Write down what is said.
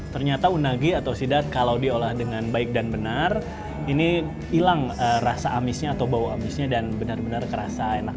ternyata unagi atau sidat kalau diolah dengan baik dan benar ini hilang rasa amisnya atau bau amisnya dan benar benar kerasa enak